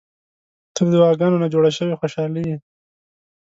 • ته د دعاګانو نه جوړه شوې خوشالي یې.